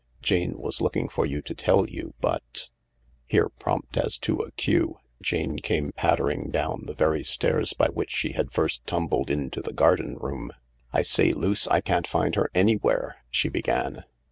Jane was looking for you to tell you, but— —" Here, prompt as to a cue, Jane came pattering down the very stairs by which she had first tumbled into the garden room. " Isay, Luce, I can't find her anywhere "she began.